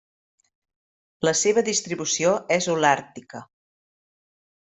La seva distribució és holàrtica: